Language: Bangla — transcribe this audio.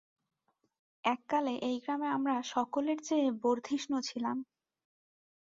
এককালে এই গ্রামে আমরা সকলের চেয়ে বর্ধিষ্ণু ছিলাম।